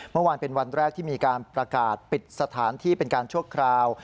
เมื่อวานเป็นวันแรกที่มีการประกาศปิดสถานที่เป็นการชั่วคราว